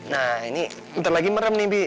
nah ini nanti lagi merem nih bi